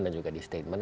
dan juga di statement